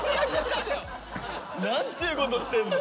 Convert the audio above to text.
何ちゅうことしてんの？